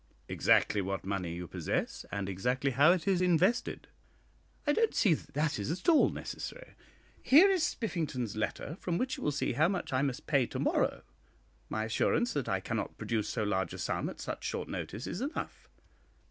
"Exactly what money you possess, and exactly how it is invested." "I don't see that that is at all necessary. Here is Spiffington's letter, from which you will see how much I must pay to morrow; my assurance that I cannot produce so large a sum at such short notice is enough."